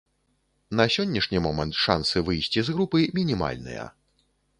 На сённяшні момант шансы выйсці з групы мінімальныя.